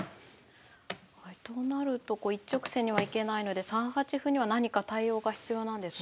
となると一直線には行けないので３八歩には何か対応が必要なんですね。